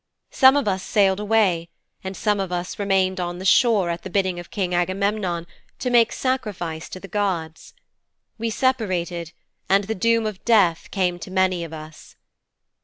Some of us sailed away, and some of us remained on the shore at the bidding of King Agamemnon, to make sacrifice to the gods. We separated, and the doom of death came to many of us.